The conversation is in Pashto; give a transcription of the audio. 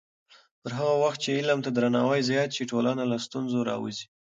پر هغه وخت چې علم ته درناوی زیات شي، ټولنه له ستونزو راووځي.